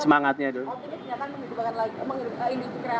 berkaitan juga dengan regulasi dan sebagainya